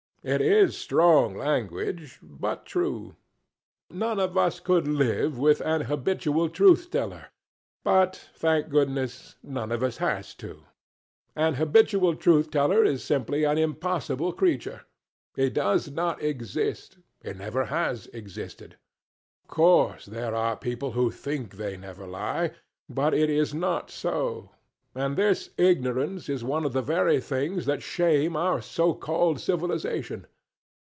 It is strong language, but true. None of us could live with an habitual truth teller; but thank goodness none of us has to. An habitual truth teller is simply an impossible creature; he does not exist; he never has existed. Of course there are people who think they never lie, but it is not so and this ignorance is one of the very things that shame our so called civilization.